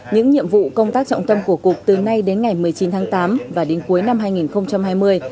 những nhiệm vụ công tác trọng tâm của cục từ nay đến ngày một mươi chín tháng tám và đến cuối năm hai nghìn hai mươi